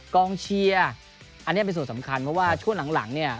กองเชียร์อันนี้เป็นส่วนสำคัญเพราะว่าช่วงหลังเนี่ย